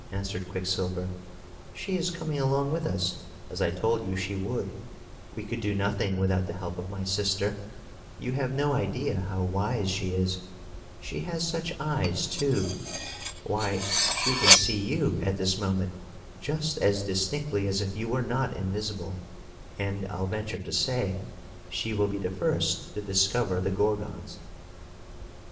answered Quicksilver. "She is coming along with us, as I told you she would. We could do nothing without the help of my sister. You have no idea how wise she is. She has such eyes, too! Why, she can see you, at this moment, just as distinctly as if you were not invisible; and I'll venture to say, she will be the first to discover the Gorgons."